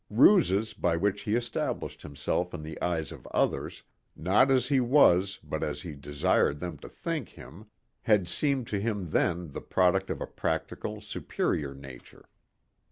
Ruses by which he established himself in the eyes of others, not as he was but as he desired them to think him, had seemed to him then the product of a practical, superior nature.